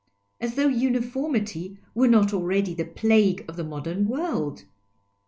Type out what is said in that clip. As though uniformity were not already the plague of the modern world !